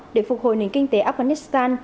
để phục hồi nền kinh tế afghanistan